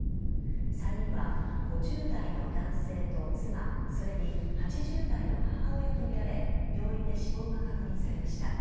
３人は、５０代の男性と妻それに８０代の母親とみられ病院で死亡が確認されました。